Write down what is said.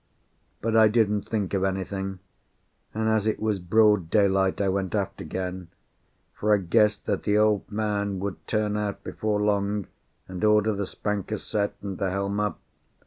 But I didn't think of anything, and as it was broad daylight I went aft again, for I guessed that the Old Man would turn out before long and order the spanker set and the helm up.